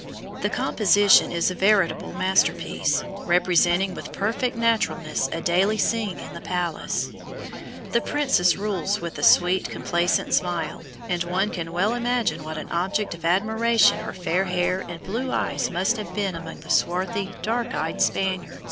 The composition is a veritable masterpiece, representing with perfect naturalness a daily scene in the palace. The princess rules with a sweet, complacent smile, and one can well imagine what an object of admiration her fair hair and blue eyes must have been among the swarthy, dark eyed Spaniards.